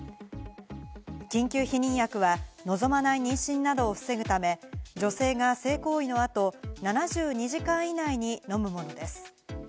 緊急避妊薬は望まない妊娠などを防ぐため、女性が性行為の後、７２時間以内に飲むものです。